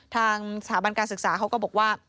ทางสถาบันการศึกษาเขาก็บอกว่า